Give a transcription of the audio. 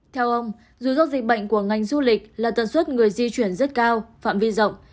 theo ông rủi ro dịch bệnh của ngành du lịch là tần suất người di chuyển rất cao phạm vi rộng